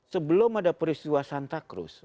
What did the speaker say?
sebelum ada peristiwa santakan